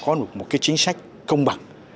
để họ có được một cái chính sách công bằng